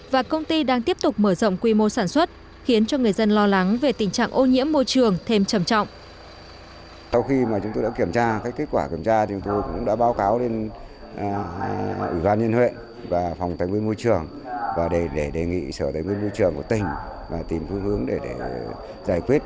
và công ty đang tiếp tục mở rộng quy mô sản xuất khiến cho người dân lo lắng về tình trạng ô nhiễm môi trường thêm trầm trọng